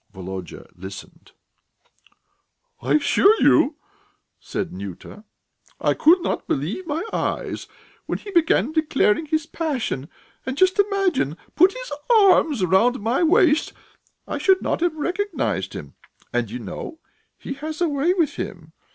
Volodya listened. "I assure you!" said Nyuta. "I could not believe my eyes! When he began declaring his passion and just imagine! put his arms round my waist, I should not have recognised him. And you know he has a way with him!